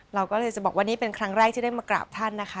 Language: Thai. เราก็เลยจะบอกว่านี่เป็นครั้งแรกที่ได้มากราบท่านนะคะ